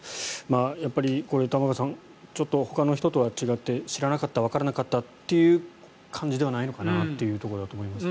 やっぱり玉川さんちょっとほかの人とは違って知らなかったわからなかったという感じではないのかなと思います。